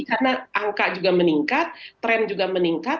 karena angka juga meningkat tren juga meningkat